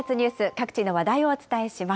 各地の話題をお伝えします。